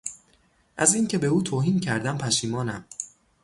از اینکه به او توهین کردم پشیمانم.